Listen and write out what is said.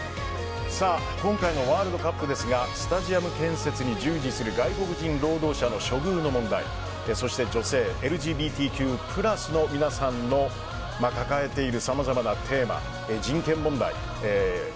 今回のワールドカップですがスタジアム建設に従事する外国人労働者の処遇の問題そして女性ＬＧＢＴＱプラスの皆さんの抱えている様々なテーマ人権問題。